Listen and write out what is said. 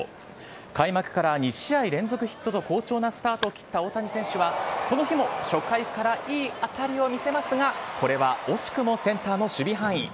開幕から２試合連続ヒットと好調なスタートを切った大谷選手は、この日も初回からいい当たりを見せますが、これは惜しくもセンターの守備範囲。